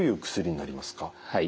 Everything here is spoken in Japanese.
はい。